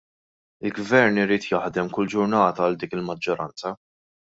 Il-Gvern irid jaħdem kull ġurnata għal dik il-maġġoranza.